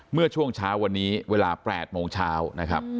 เมื่อช่วงเช้าวันนี้เวลา๘โมงเช้านะครับ